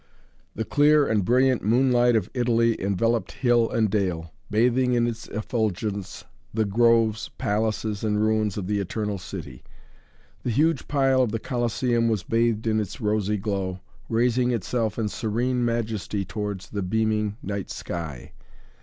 The clear and brilliant moonlight of Italy enveloped hill and dale, bathing in its effulgence the groves, palaces and ruins of the Eternal City. The huge pile of the Colosseum was bathed in its rosy glow, raising itself in serene majesty towards the beaming night sky.